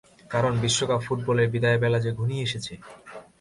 কারণ বিশ্বকাপ ফুটবলের বিদায়বেলা যে ঘনিয়ে এসেছে।